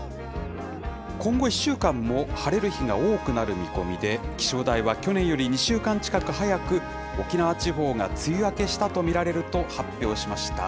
今後１週間も晴れる日が多くなる見込みで、気象台は去年より２週間近く早く、沖縄地方が梅雨明けしたと見られると発表しました。